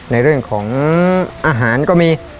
ในเรื่องของอาหารก็มี